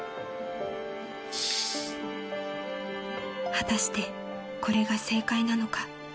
［果たしてこれが正解なのか］